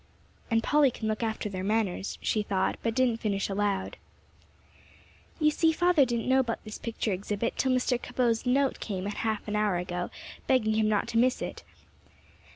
And Polly can look after their manners," she thought, but didn't finish aloud. "You see father didn't know about this picture exhibit till Mr. Cabot's note came a half hour ago, begging him not to miss it.